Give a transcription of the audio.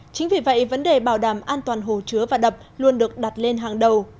chính vì vậy vấn đề bảo đảm an toàn hồ chứa và đập luôn được đặt lên hàng đầu